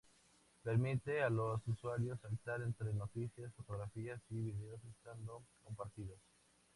Permite a los usuarios saltar entre noticias, fotografías y vídeos estando compartidos.